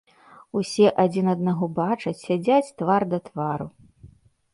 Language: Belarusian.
Усе адзін аднаго бачаць, сядзяць твар да твару.